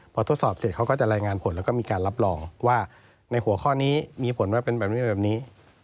พอทดสอบเสร็จเขาก็จะรายงานผลแล้วก็มีการรับรองว่าในหัวข้อนี้มีผลว่าเป็นแบบนี้แบบนี้